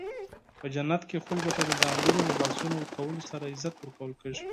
په جنت کې خلکو ته د ځانګړو لباسونو ورکولو سره عزت ورکول کیږي.